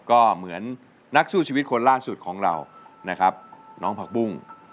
ก็เหมือนนักสู้ชีวิตคนล่าสุดของเรานะครับน้องผักบุ้ง